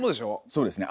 そうですね